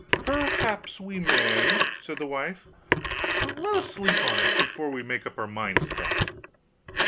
'Perhaps we may,' said the wife; 'but let us sleep upon it, before we make up our minds to that.